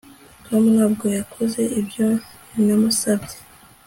Tom ntabwo yakoze ibyo namusabye